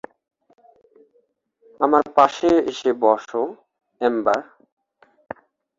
আমার পাশে এসে বসো, এম্বার?